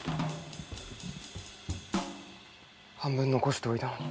半分残しておいたのに。